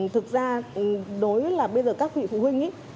thực ra đối với các vị phụ huynh